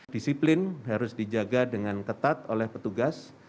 disiplin harus dijaga dengan ketat oleh petugas